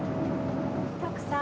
徳さん。